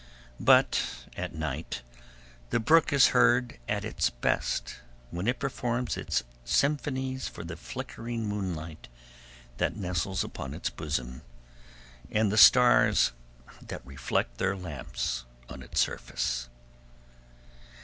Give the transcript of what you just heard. But at night the brook is heard at its best, when it performs its symphonies for the flickering moonlight that nestles upon its bosom, and the stars that reflect their lamps on its surface.